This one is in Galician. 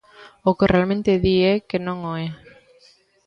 O que realmente di é que non o é.